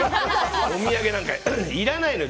お土産なんかいらないのよ！